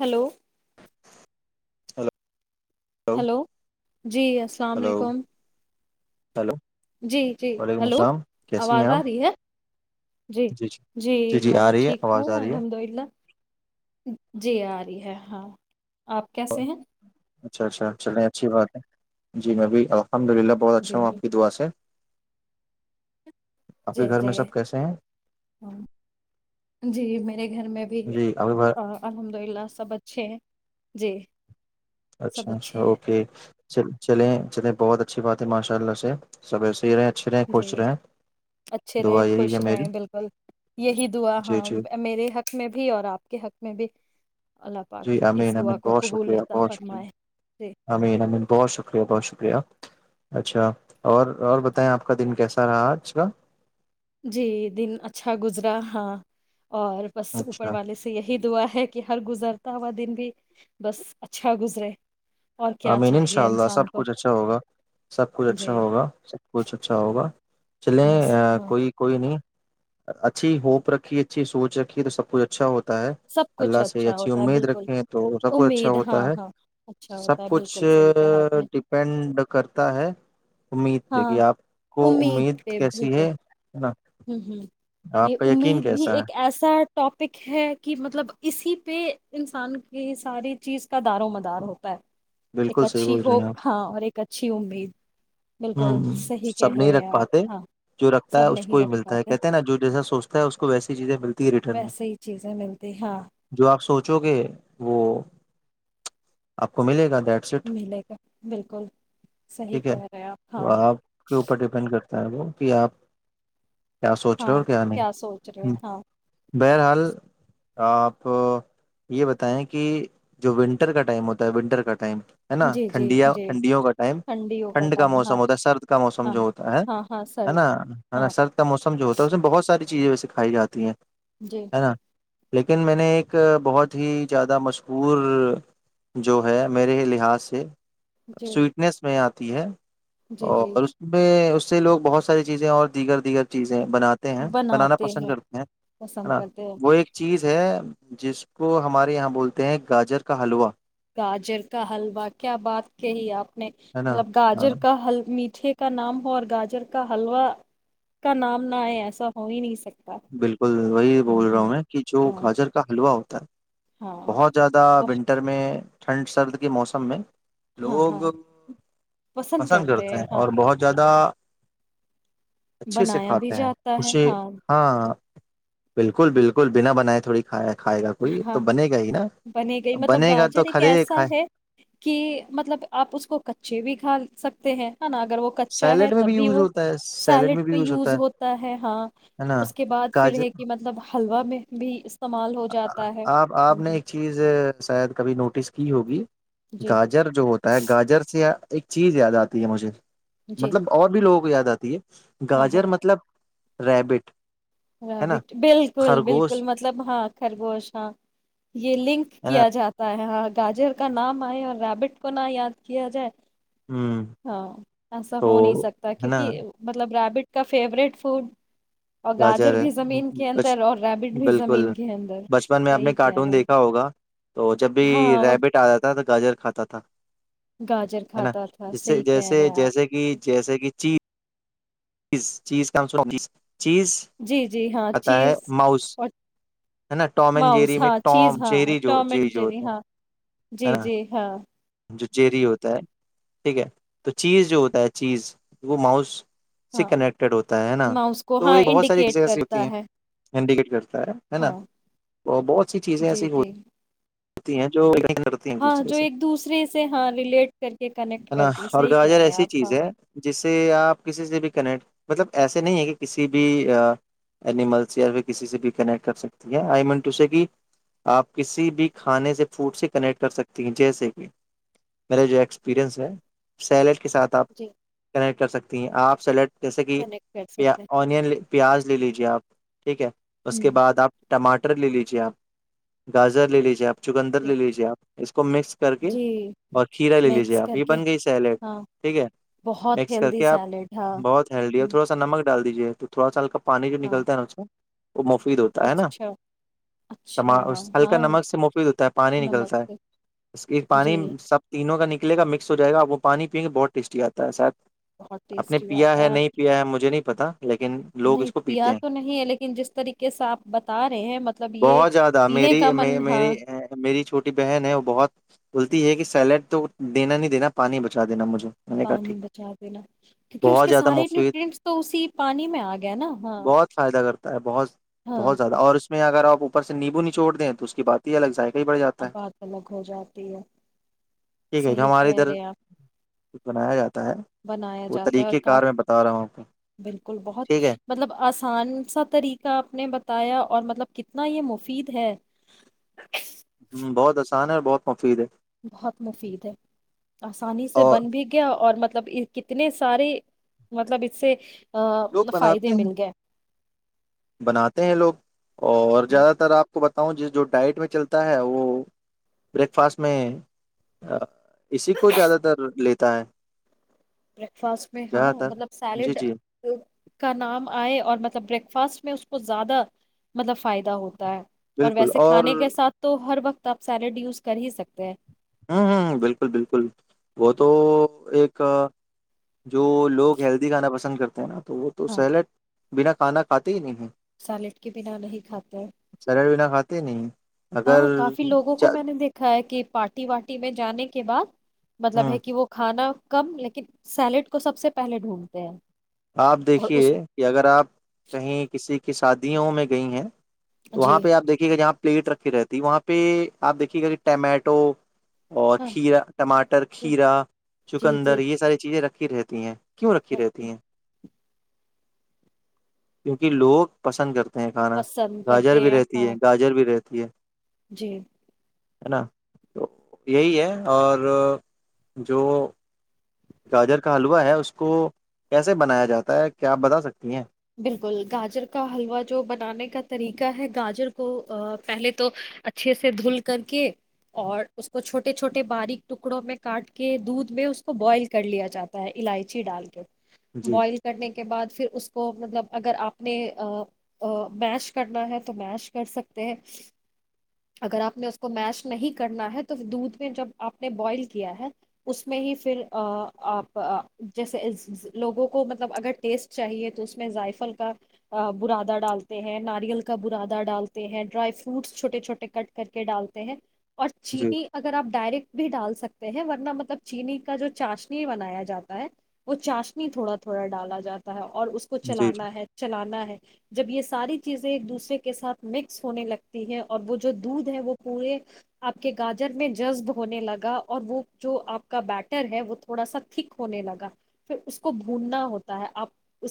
Hello hello hello جی السلام hello علیکم ہلو جی جی وعلیکم ہلو السلام کیسی ہیں آواز آپ آ رہی ہے جی جی میں آ رہی ہے ٹھیک آواز آ ہوں رہی ہے الحمد للہ جی آ ہے ہاں آپ کیسے ہیں اچھا اچھا چلے اچھی بات ہے جی میں بھیؤ الحمد للہ بہت اچھا جی ہوں آپ کی دعا سے آپ جی کے گھر جی میں سب کیسے ہیں ہ جی میرے گھر میں بھی جی ابھی بار الحمد للہ سب اچھے ہیں جی سب اچھا اچھا اچھے ہیں اوکے چلیں چلیں بہت اچھی بات ہے ماشاء اللہ سے سب ایسے ہی رہے جی اچھے رہے یہی ہے خوش میری رہےیں بالکل یہی دعا جی ہاں جی میرے حق میں بھی اور آپ کے حق میں بھی اللہ جی پاک اس امین دعا امین کو بہت قبول شکریہ عطا بہت شکریہ فرمائے جی امین امین بہت شکریہ بہت شکریہ اچھا اور اور بتائیں آپ کا دن کیسا رہا آج کا جی دن اچھا گزرا ہاں اور بس اوپر اچھا والے سے یہی دعا ہے کہ ہر گزرتا ہوا دن بھی بس اچھا گزرے اور کیا آمین ان شاء چاہیے اللہ انسان سب کو کچھ اچھا ہوگا سب کچھ اچھا جی ہوگا سب کچھ اچھا ہوگا چلیں بس ہاں کوئی کوئی نہیں اچھی ہوپ رکھی اچھی سوچ رکھی ہے تو سب کچھ اچھا ہوتا ہے سب کچھ اللہ سے اچھا اچھی ہوتا ہے امید بالکل رکھیں تو سب کچ اچھا امید ہاں ہوتا ہے ہاں اچھا سب [unintelligible] ہوتا ہے کچھ بالکل صحیح کہا آپ نے ڈپینڈ کرتا ہے امید پہ ہاں کہ آپ کو امید پہ کیسی بالکل ہے ہے نا ہوں ہوں آپ یہ کا یقین امید بھی کیسا ہے [unintelligible] ایک ایسا ٹاپک ہے [inaudible] کہ مطلب اسی پہ انسان کی ساری چیز کا دار و مدار ہوتا ہے [unintelligible] ایک بالکل صحیح اچھی بول رہی ہوپ ہیں آپ ہاں اور ایک اچھی امید [unintelligible] ہ صحیح سب کہہ نہیں رہے ہیں رکھ آپ پاتے ہاں جو رکھتا ہے سب اس کو نہیں ہی رکھ ملتا ہے پاتے کہتے ہیں نا جو جیسا سوچتا ہے اس کو ویسی چیزیں ملتی ہے ریٹرن میں [unintelligible] ج ہاں [inaudible] چو کے وہ آپ کو ملے گا [unintelligible] ملے گا بالکل صحیح ٹھیک ہے کہہ رہے ہیں آپ [unintelligible] تو آپ کے اوپر ڈیپینڈ کر [unintelligible] کرتا ہے وہ کہ آپ [unintelligible] ہو ہاں اور نہیں کیا سوچ رہے ہوں، ہیں ہاں بہرحال آپ یہ بتائیں کہ جو ونٹر کا ٹائم ہوتا ہے ونٹر کا ٹائم ہے نا جی جی ٹھنڈیا جی ٹھنڈیوں کا ٹائم ٹھنڈیوں ٹھنڈ کا ٹائم ہاں موسم سرد کا موسم ہاں جو ہوتا ہے ہاں ہاں ہے سر نا ہے نا ہاں سرد کا موسم جو ہوتا ہے اس میں بہت س ساری چیزیں ویسے کھائی جاتی ہیں جی ہے نا لیکن میں نے ایک بہت ہی زیادہ مشہور جو ہے میرے لحاظ سے جی سوئٹنیس میں آتا تی ہے جی جی اور اس میں اس سےو بہت ساری چیزیں اور دیگر دیگر چیزیں بناتے ہیں بنانا پسند کرتے ہیں پسند نا کرتے ہیں وہ ایک چیز ہے جس کو ہمارے یہاں بولتے ہیں گاجر کا حلوا گاجر کا حلوا کیا بات کہی آپ نے ہے نا مطلب ہاں گاجر کا حل می مھے کا نام ہو اور گاجر کا حلوا کا نام نہ ہے ایسا ہو ہی نہیں سکتا بالکل وہی ہ بول رہا ہ ہوں میں کہ جو ہاں گاجر کا حلوا ہو تو ہاں بہت زیادہ وہ ونٹر میں ٹھنڈ سرد کے موسم میں ہاں ہاں لوگ پسند کرتے ہیں اور بہت زیادہ اچھے سے بنایا بھی کھاتے ہیں جاتا ہے خوشی ہاں ہاں بالکل بالکل بنا بنائے تھوڑی کھیا کھائے گا کوئی تو بنے گا ہی نا بنی گئی مطلب بنے گا گاجر تو ایک کھلے ایسا کھائے ہے کہ مطلب آپ اس کو کچے بھی کھا سکتے ہیں نا اگر وہ کچا ہے سیلیڈ میں تب بھی یوز وہ ہوتا ہے سیلیڈ سیلڈ میں بھی پہ یوز ہے ہوتا ہے ہاں ہے نا اس کے بعد پھر ہے گاجر کہ مطلب حلوا میں بھی استعمال ہو جاتا ہے آپ آپ ہوں نے ہوں، ایک چیز شاید کبھی نوٹس کی ہوگی جی گاجر جو ہوتا ہے گاجر سے ایک چیز یاد آتی ہے مجھے جی مطلب اور بھی لوگ یاد آتی ہے ہاں ہاں گاجر مطلب ریبٹ ہے نا رابٹ بالکل خرگوش بالکل مطلب ہاں خرگوشا [unintelligible] یہ لنک ہے نا کیا جاتا ہے ہاں تاجر کا نام آئے اور ریبٹ کو نہ یاد کیا جائے [unintelligible] ہ ہاں ایسا تو ہو نہیں سکتا ہے نا کیونکہ مطلب ریبٹ کا فوریٹ فوڈ [unintelligible] گاجر ہے بھی زمین کے اندر اور ریبٹ بھی بالکل زمین کے اندر بچپن میں آپ نے صحیح کہہ کارٹون رہے دیکھا ہیں ہوگا تو جب بھی ہاں وہ ریبٹ آ رہا تھا تو گاجر کھاتا تھا گاجر [unintelligible] ہے نا کھاتا تھا جس سے صحیح کہہ رہے جیسے ہیں آپ جیسے کہ جیسے کہ چیز چیز چیز کون س ہوگیس جی جی ہاں چیز ماؤس اور ہے نا ٹام اینڈ ماؤس جیری میں ہاں چیز ٹام ہاں جیری جو جیری جو ٹومنری ہوتا ہاں جی ہے نا جی ہاں جو چیری ہوتا ہے ٹھیک ہے تو چیز جو ہوتا ہے چیز وہ ماؤس سے ہاں کنیکٹیڈ ہوتا ہے نا ماؤس کو تو ہاں بہت ساری انڈیکیٹ چیزیں ایسی ہوتی کرتا ہیں ہے چی گٹ گ [unintelligible] ہے نا ہاں بہت سی چیزیں جی ایسی ہو [unintelligible] جی ہوتی ہیں جو کرتی ہیں ہاں دوسرے جو سے [unintelligible] ایک دوسرے سے ہاں ریلیٹ کر کے کنیکٹ ہے نا کرتی اور صحیح کہہ گاجر رہے ہیں ایسی آپ چیز ہاں ہے جس سے آپ کسی سے بھی کنیکٹ مطلب ایسے نہیں ہے کہ کسی بھی اینیملس یا پھر کسی سے بھی کنیکٹ کر سکتی ہیں آئی منٹو کہ آپ کسی بھی کھانے سے فوڈ سے کنیکٹ کر سکتی ہیں جیسے کہ [unintelligible] میرا جو ایکسپیرئنس ہے سیلڈ کے ساتھ آپ جی کنیکٹ کر سکتی ہیں آپ سیلیڈ جیسے کہ کنیکٹ کر سکتے اونین پیاز لے لیجیے آپ ٹھیک ہے اس ہیں کے ہ بعد آپ ٹماٹر مٹر لے لیجیے آپ گاجر لے لیجیے آپ چکندر جی لے لیجیے آپ اس کو مکس کر کے جی اور کھیرا لے لیجے مکس آپ کر یہ کے بن گئی سیلیڈ ہاں ٹھیک ہے بہت مکس کر ہیلدی کے آپ سیلیڈ ہاں بہت ہیلدی ہو ہوں، تھوڑا سا نمک ڈال دیجیے تو تھوا سالکا پانی جو ہاں نکلتا ہے اس میں وہ مفید ہوتا ہے اچھا ناما اچھا ہلکا ہاں نمک سے مفید ہوتا ہے پانی نمک نکلتا ہے سے، اس کی جی پانی سب کا کے مکس ہو جائےا وہ پانی پئ بہت ٹیسٹی آتا ہے سید بہت اپ نے ٹیسٹی پیا بات ہے نہیں پیا ہے مجھے نہیں پتاتہ [inaudible] لیکن لوگ نہیں اس کو پیتے پیا ہیں تو نہیں ہے لیکن جس طریقے سے آپ بتا رہے ہیں مطلب یہ بہت زیادہ پینے میری کا می من ہاں میری چھوٹی بہن ہے وہ بہت التی یہ ہے کہ سیلیڈ تو دینا نہیں دینا پانی بچا دینا مجھے میں نے کہا پانی ٹھیک بچا دینا کیونکہ اس بہت کے زیادہ سارے مفید نیوٹرینٹس تو اسی پانی میں آ گیا نا ہاں بہت فائدہ کرتا بہت ہاں بہت زیادہ اور اس میں اگر آپوپر سے نیبو نچوڑ دیں تو اس کی بات ہی الگ جائے گا ابات الگ ہو جاتی ہے ٹھیک ہے جو صحیح ہمارے کہہ ادھر رہے ہیں آپ بنایا جاتا ہے بنایا وہ جاتا ہے اور طریقہ کا کار میں بتا رہا [inaudible] بالکل بہت ٹھیک ہے مطلب آسان سا طریقہ آپ نے بتایا اور مطلب کتنا یہ مفید ہے بہت آسان ہے بہت مفید ہے بہت مفید ہے آسانی سے اور بن بھی گیا اور مطلب کتنے اتنے سارے مطلب اس سے لوگ فائد بناتے مل ہیں گئے بناتے ہیں لوگ اور زیادہ تر آپ کو جو ڈائٹ میں چلتا ہے وہ بریکفاسٹ میں اسی کو زیادہ تر لیتا ہے بریک فاسٹ میں ہاں جہاں تک مطلب جی سیلڈ جی کا نام آئے اور مطلب بریک فاسٹ میں اس کو زیادہ مطلب فائدہ ہوتا اور ویسے کھانے کے ساتھ تو ہر وقت تو آپ سیلڈ یوز کر ہی سکتے ہیں ہوں ہ بالکل بالکل وہ تو ایک جو لوگ ہیلدی کھانا پسند کرتے ہیں نا آپ تو وہ تو سیلڈ بنا کھانا کھاتے ہی نہیں ہے سالڈ کے بنا نہیں کھاتے ہیں سیلیڈ بنا کھاتے ہی نہیں ہیں۔ اگر ہاں کافی لوگوں کو میں نے دیکھا ہے کہ پارٹی واٹی میں جانے کے بعد مطلب ہ ہے کہ وہ کھانا کم لیکن سیلیڈ کو سب سے پہلے ڈھونڈتے ہیں آپ اور اس دیکھیے کہ اگر آپ کہیں کسی کے کی شادیوں میں گئی ہیں تو جی وہاں پہ آپ دیکھیے گا جہاں پلیٹ رکھی رہتی وہاں پہ آپ دیکھیے گا کہ ٹمیٹو اور ہاں کھیرا ٹماٹر کھیرا جی چکندر جی یہ ساری چیزیں رکھ کی رہتی ہیں کیوں رکھی رہتی ہیں کیونکہ لوگ پسند کرتے کھانا پسند گاجر کرتے بھی ہیں رہتی ہاں ہے گاجر بھی رہ ج ہے جی ہے نا تو یہی ہے اور جو گاجر کا حلوہ ہے اس کو کیسے بنایا جاتا ہے کیا آپ بتا سکتی ہیں بالکل گاجر کا حلوا جو بنانے کا طریقہ ہے گاجر کو پہلے تو اچھے سے دھل کر کے اور اس کو چھوٹے چھوٹے باریک ٹکڑوں میں کاٹ کے دودھ میں اس کو بوائل کر لیا جاتا ہے الائچی ڈال کے جی بوائل کرنے کے بعد پھر اس مطلب اگر آپ نے میش کرنا ہے تو میش کر سکتے ہیں اگر آپ نے اس کو میش نہیں کرنا ہے تو دودھ میں جب آپ نے بوائل کیا ہے اس میں ہی پھر آپ جیسے لوگوں کو مطلب اگر ٹیسٹ چاہیے تو اس میں زائفل کا برادہ ڈالتے ہیں ناریل کا برادا ڈالتے ہیں ڈرائی فروٹس چھوٹے چھوٹے کٹ کر کے ڈالتے ہیں اور جی چینٹی اگر آپ ڈائریکٹ بھی ڈال سکتے ہیں ورنہ مطلب چینی کا جو چاشنی بنایا جاتا ہے وہ چاشنی تھوڑا تھوڑا ڈالا جاتا ہے اور کو جی جی چلانا ہے چلانا ہے جب یہ ساری چیزیں ایک دوسرے کے ساتھ مکس ہونے لگتی ہے اور وہ جو دودھ ہے وہ پورے آپ کے گاجر میں جذب ہونے لگا اور وہ جو آپ کا بیٹر ہے وہ تھوڑا سا تھک ہونے لگا پھر اس کو بھوننا ہوتا ہے آپ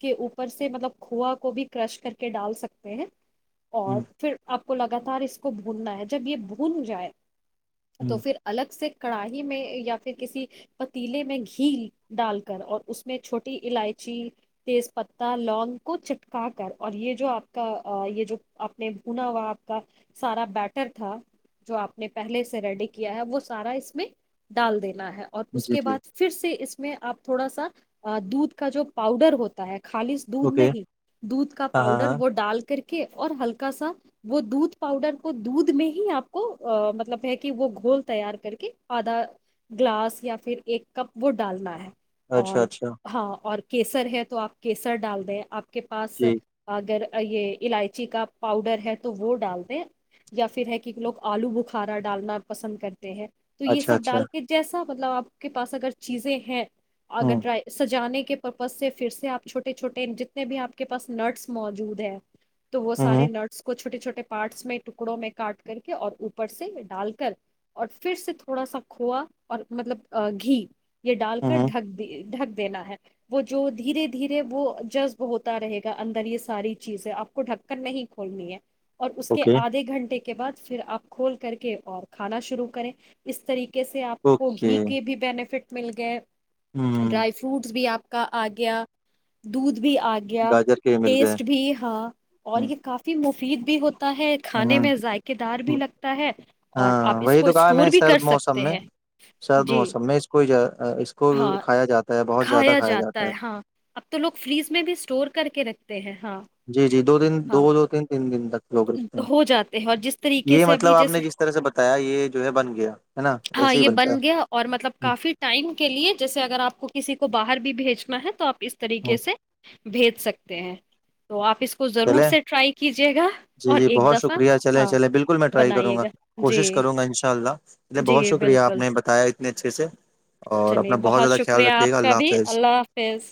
کے اوپر سے مطلب کو کو بھی کرش کر کے ڈال سکتے ہیں اور ہ پھر آپ کو لگاتار اس کو بھوننا ہے جب یہ بھون جائے تو ہ پھر الگ سے کڑاہ میں یا پھر کسی پتیلے میں گھی ڈال کر اور اس میں چھوٹی الائچی تیز پتتا لونگ کو چپکا کر اور یہ جو آپ کا یہ جو آپ نے بنا ہوا آپ کا سارا بیٹر تھا جو آپ نے پہلے سے ریڈی کیا ہے وہ سارا اس میں ڈال دیتا ہے اور اس جی کے جی بعد پھر سے اس میں آپ تھوڑا سا دودھ کا جو پاؤڈر ہوتا ت ہے خالص دودھ اوکے نہیں دودھ کا ہاں ہاں پاؤڈر ہاں وہ ڈال کر کے اور ہلکا سا وہ دودھ پاؤڈر کو دودھ میں ہی آپ کو مطلب ہے کہ وہ گھول تیار کر کے آدھا گلاس یا پھر ایک کپ وہ ڈالنا ہے [unintelligible] اچھا اور اچھا ہاں اور [unintelligible] کیسر ہے [unintelligible] تو آپ کیسر ڈال دیں آپ [unintelligible] کے پاس جی اگر [unintelligible] یہ الائچی کا پاؤڈر ہے تو وہ ڈال د یا پھر ہے کہ لوگ آلو بخارا ڈالنا پسند کرتے ہیں [unintelligible] تو یہ اچھا سب اچھا ڈال کے جیسا [unintelligible] مطلب آپ کے پاس اگر چیزیں ہیں [unintelligible] ہ اگر ڈ سجانے کے [inaudible] پرپز سے پھر سے آپ چھوٹے چھوٹے جتنے بھی آپ کے پاس نٹس موجود ہے تو وہ سے ہ نرس کو چوٹے چھوٹے پارٹس میں ٹکڑوں میں کاٹ کر کے اور اوپر سے ڈال کر اور پھر سے تھوڑا سا کھوو اور مطلب گھی یہ ڈال کر ہ ڈھک دی ڈھک دینا ہے وہ جو دھیرے دھیرے وہ جذب ہوتا رہے گا اندر یہ ساری چیزیں آپ کو ڈھکن نہیں کھولنی ہے اور اس کے اوکے آدھے گھنٹے کے بعد پھر آپ کھول کر کے اور کھانا شروع کریں اس طریقے کیسے آپ کو اوکے گھی کے بھی بینیفٹ مل گئے ہوں ڈرائی فروٹس بھی آپ کا آج گیا دودھ بھی آ گیا گاجر کے مل گئے ٹیسٹ بھی ہاں اور یہ کافی مف خریید بھی ہوتی ہ ہے اور آپ ہاں اس وہی کو تو کہا اسٹور میں بھی کر سرد موسم سکتے میں ہیں سرد جی موسم میں اس کو اس کو ہاں کھایا جاتا ہے بہت زیادہ کھایا جاتا ہے ہاں اب تو لوگ فریز میں بھی اسٹور کر کے رکھتے ہیں ہاں جی جی دو دن دو ہاں بول ہوتے ہیں تین دن تک لوگ رکھتے ہیں ہو جاتے ہیں اور جس طریقے یہ سے مطلب ابھی آپ نے جیسے جس طرح سے بتایا یہ جو ہے بن گیا ہے نا ہاں ایسے ہی یہ بنتا بن گیا اور مطلب ہے کافی ٹائم کے لیے جیسے اگر آپ کو کسی کو باہر بھی بھی بھیجنا ہے تو آپ کو اس طریقے سے بھیج سکتے ہیں تو آپ اس کو ضرور چلے سے ٹرائی کیجیے گا جی اور جی ایک بہت دفعہ شکریہ چلیں ہاں چلیں بالکل میں ٹرائی کروں بنائیے گا جی کوشش کروں گا ان شاء اللہلے جی بہت شکریہ آپ بالکل نے بتایا اتنے اچھے سے اور چلیے اپنا بہت زیادہ خیال شکریہ رکھیے گا آپ کا اللہ بھی حافظ اللہ حافظ